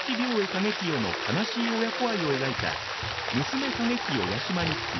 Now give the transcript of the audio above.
景清の悲しい親子愛を描いた「嬢景清八嶋日記